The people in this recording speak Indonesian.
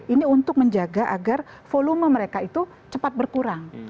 ini untuk menjaga agar volume mereka itu cepat berkurang